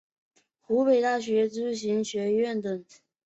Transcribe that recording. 湖北大学知行学院等